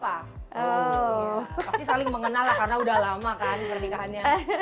pasti saling mengenal karena sudah lama kan pernikahannya